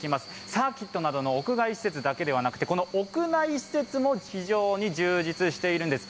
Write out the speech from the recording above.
サーキットなどの屋外施設だけではなくて屋内施設も非常に充実しているんです。